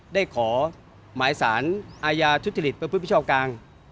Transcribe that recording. ได้ขอหมายสารอายาชุดเจริตเป็นผู้พิชาวกลาง